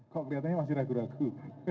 kok kelihatannya masih ragu ragu